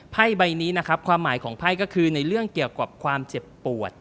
ใบนี้นะครับความหมายของไพ่ก็คือในเรื่องเกี่ยวกับความเจ็บปวด